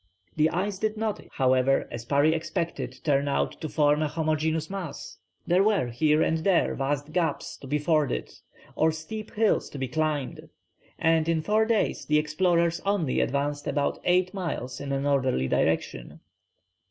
The ice did not, however, as Parry expected, turn out to form a homogeneous mass. There were here and there vast gaps to be forded or steep hills to be climbed, and in four days the explorers only advanced about eight miles in a northerly direction.